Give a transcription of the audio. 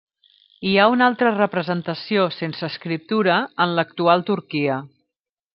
Hi ha una altra representació, sense escriptura, en l'actual Turquia.